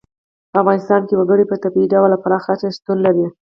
په افغانستان کې وګړي په طبیعي ډول او پراخه کچه شتون لري.